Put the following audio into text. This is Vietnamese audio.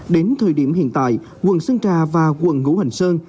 đến thời điểm hiện tại quận sơn trà và quận ngũ hành sơn